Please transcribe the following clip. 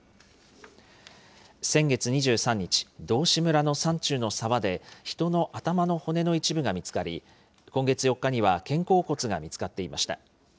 先月２３日、道志村の山中の沢で、人の頭の骨の一部が見つかり、今月４日には肩甲骨が見つかっていました。